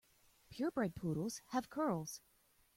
Pure bred poodles have curls.